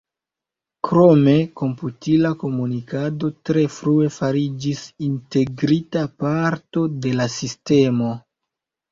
Krome komputila komunikado tre frue fariĝis integrita parto de la sistemo.